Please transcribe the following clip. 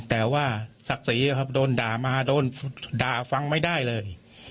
แต่ว่าศักดิ์ศรีครับโดนด่ามาโดนด่าฟังไม่ได้เลย